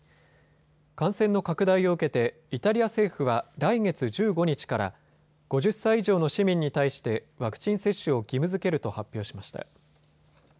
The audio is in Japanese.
感染の拡大を受けてイタリア政府は来月１５日から５０歳以上の市民に対してワクチン接種を義務づけると発表しました。